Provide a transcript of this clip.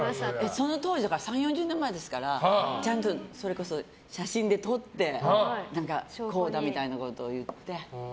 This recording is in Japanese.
その当時３０４０年前ですからちゃんと写真で撮ってこうだみたいなことを言って。